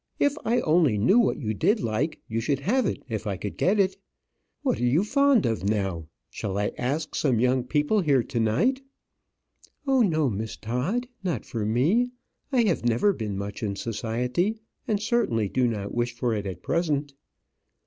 If I only knew what you did like, you should have it if I could get it. What are you fond of now? Shall I ask some young people here to night?" "Oh, no, Miss Todd; not for me. I have never been much in society, and certainly do not wish for it at present."